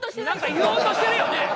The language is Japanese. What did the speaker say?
何か言おうとしてるよね